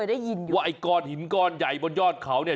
ไอ้ก้อนหินก้อนใหญ่บนยอดเขาเนี่ย